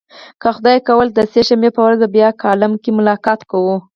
که خدای کول د سه شنبې په ورځ به بیا کالم کې ملاقات کوو.